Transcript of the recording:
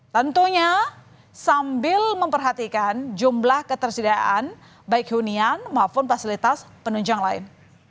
tentunya sambil memperhatikan jumlah ketersediaan baik hunian maupun fasilitas penunjang lain